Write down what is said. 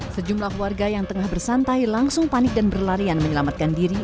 sejumlah warga yang tengah bersantai langsung panik dan berlarian menyelamatkan diri